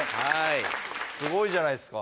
すごいじゃないですか。